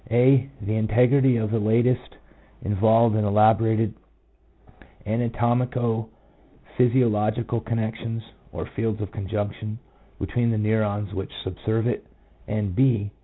(a) the integrity of the latest involved and elaborated anatomico physiological connections (or ' fields of conjunction ') between the neurons which subserve it, and (J?)